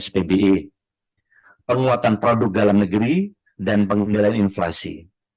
penguatan produk dalam negeri dan pengendalian inflasi